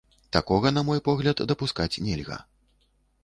Такога, на мой погляд, дапускаць нельга.